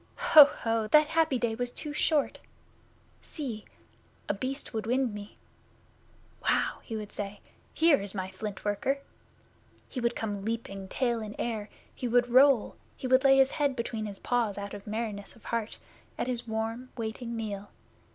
Ho! Ho! That happy day was too short! See! A Beast would wind me. "Wow!" he would say. "Here is my Flint worker!" He would come leaping, tail in air; he would roll; he would lay his head between his paws out of merriness of heart at his warm, waiting meal.